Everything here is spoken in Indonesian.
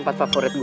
masaknya udah udah